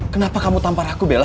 kenapa kamu tampar aku bella